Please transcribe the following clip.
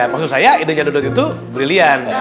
maksud saya idenya dodot itu brilian